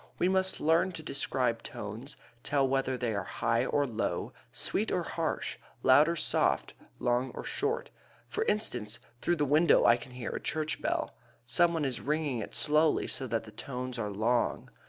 We must learn to describe tones, tell whether they are high or low, sweet or harsh, loud or soft, long or short. For instance, through the window I can hear a church bell. Some one is ringing it slowly so that the tones are long.